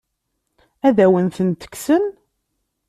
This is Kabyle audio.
Ad awen-tent-kksen?